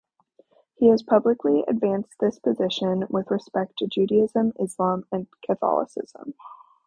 He has publicly advanced this position with respect to Judaism, Islam, and Catholicism.